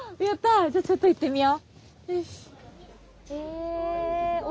じゃあちょっと行ってみよう。